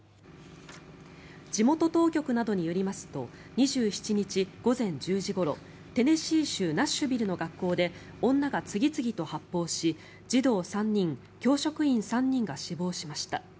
地元当局などによりますと２７日午前１０時ごろテネシー州ナッシュビルの学校で女が次々と発砲し児童３人、教職員３人が死亡しました。